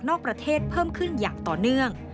ประเทศเพิ่มขึ้นอย่างต่อเนื่อง